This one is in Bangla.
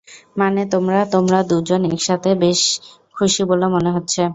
মানে, তোমরা, তোমরা দুজন একসাথে বেশ খুশি বলে মনে হচ্ছে।